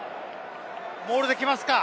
モールで来ますか！